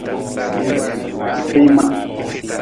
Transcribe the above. Kpima.